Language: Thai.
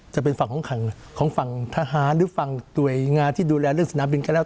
จะเป็นฝั่งของฝั่งทหารหรือฝั่งหน่วยงานที่ดูแลเรื่องสนามบินก็แล้ว